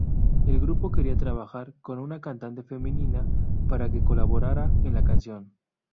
El grupo quería trabajar con una cantante femenina para que colaborara en la canción.